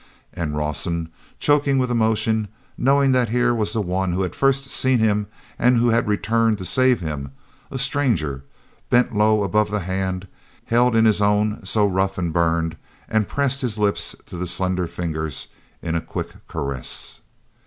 And Rawson, choking with emotion, knowing that here was the one who had first seen him and who had returned to save him, a stranger, bent low above that hand, held in his own so rough and burned, and pressed his lips to the slender fingers in a quick caress.